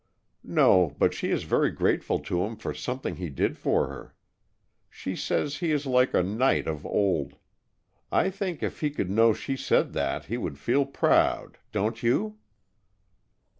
"No. But she is very grateful to him for something he did for her. She says he is like a knight of old. I think if he could know she said that, he would feel proud, don't you?"